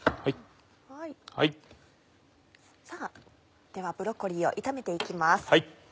さぁではブロッコリーを炒めていきます。